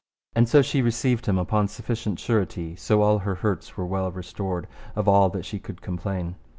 And so she received him upon sufficient surety, so all her hurts were well restored of all that she could complain.